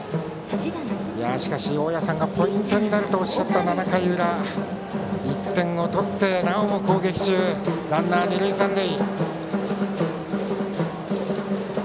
大矢さんがポイントになるとおっしゃった７回の裏１点を取ってなおもランナー、二塁三塁。